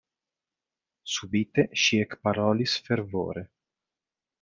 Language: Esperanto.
Subite ŝi ekparolis fervore: